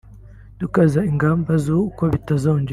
dukaza ingamba z’uko bitazongera